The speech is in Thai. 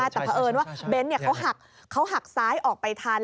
แต่เพราะเอิญว่าเบนท์เขาหักซ้ายออกไปทัน